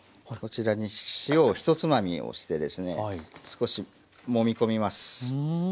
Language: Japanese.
こちらに塩を１つまみをしてですね少しもみこみます。